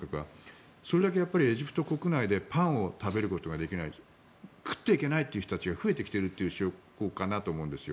それだけエジプト国内でパンを食べることができない食っていけないという人たちが増えてきているという証拠かなと思うんですよ。